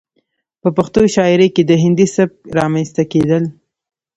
،په پښتو شاعرۍ کې د هندي سبک رامنځته کېدل